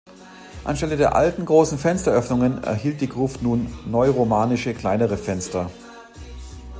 Anstelle der alten großen Fensteröffnungen erhielt die Gruft nun neuromanische, kleinere Fenster.